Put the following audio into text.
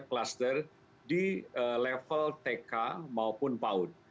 kluster di level tk maupun paud